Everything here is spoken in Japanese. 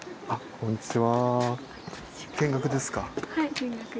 こんにちは。